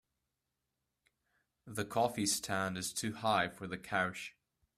The coffee stand is too high for the couch.